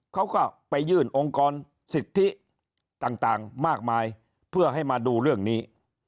เขาก็ไปยื่นองค์กรสิทธิต่างมากมายเพื่อให้มาดูเรื่องนี้